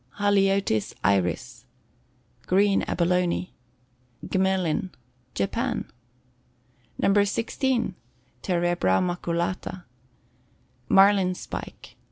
Haliotis Iris. Green Abalone. Gmelin. Japan. No. 16. Terebra Maculata. Marlin Spike.